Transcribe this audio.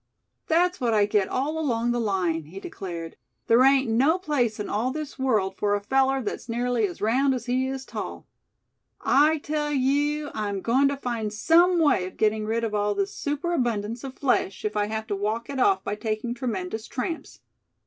"That's what I get all along the line," he declared. "There ain't no place in all this world for a feller that's nearly as round as he is tall. I tell you I'm goin' to find some way of getting rid of all this superabundance of flesh, if I have to walk it off by taking tremendous tramps.